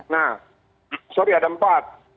nah sorry ada empat